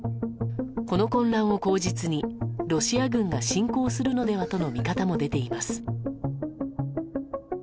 この混乱を口実にロシア軍が侵攻するのではとの見方も出ています。